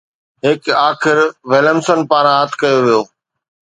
هڪ آخر وليمسن پاران هٿ ڪيو ويو